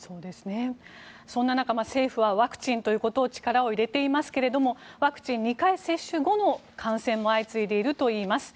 そんな中、政府はワクチンということを力を入れていますがワクチン２回接種後の感染も相次いでいるといいます。